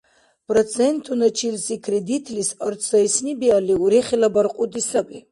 Процентуначилси кредитлис арц сайсни биалли – урехила баркьуди саби.